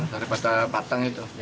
daripada batang itu